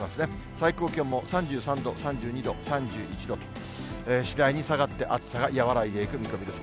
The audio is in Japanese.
最高気温も３３度、３２度、３１度と、次第に下がって、暑さが和らいでいく見込みです。